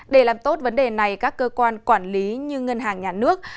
để làm tốt vấn đề này các cơ quan quản lý như ngân hàng nhà nước